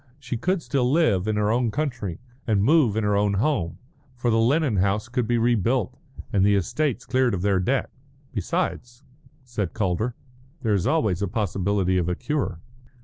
She could still live in her own country and move in her own home. For the Lennon house could be rebuilt and the estates cleared of their debt. "Besides," said Calder, "there is always a possibility of a cure."